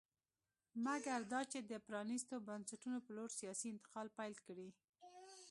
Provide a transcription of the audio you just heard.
مګر دا چې د پرانېستو بنسټونو په لور سیاسي انتقال پیل کړي